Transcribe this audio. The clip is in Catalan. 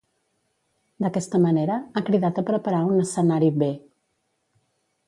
D'aquesta manera, ha cridat a preparar un escenari B.